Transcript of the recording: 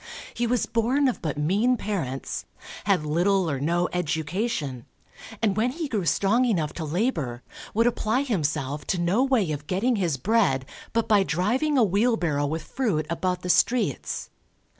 He was born of but mean parents, had little or no education, and when he grew strong enough to labour, would apply himself to no way of getting his bread but by driving a wheelbarrow with fruit about the streets.